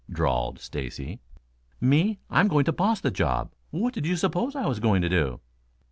drawled Stacy. "Me? I'm going to boss the job. What did you suppose I was going to do?"